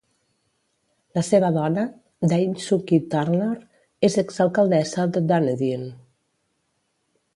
La seva dona, Dame Sukhi Turner, és exalcaldessa de Dunedin.